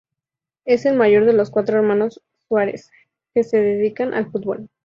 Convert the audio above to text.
Es el mayor de los cuatro hermanos Suárez, que se dedican al fútbol.